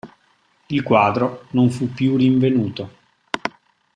Il quadro non fu più rinvenuto.